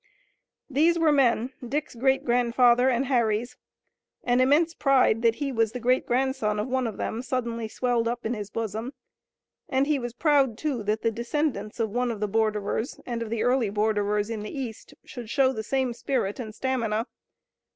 These were men, Dick's great grandfather and Harry's. An immense pride that he was the great grandson of one of them suddenly swelled up in his bosom, and he was proud, too, that the descendants of the borderers, and of the earlier borderers in the east, should show the same spirit and stamina.